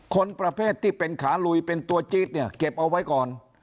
คนประเภทที่เป็นขาลุยเป็นตัวจี๊ดเนี่ยเก็บเอาไว้ก่อน